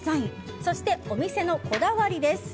そしてお店のこだわりです。